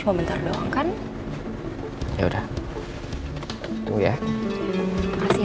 boleh atau serikanya juga boleh mas